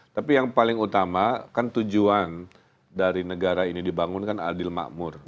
tapi yang paling utama kan tujuan dari negara ini dibangun kan adil makmur